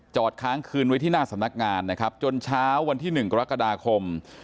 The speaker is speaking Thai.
ค้างคืนไว้ที่หน้าสำนักงานนะครับจนเช้าวันที่๑กรกฎาคม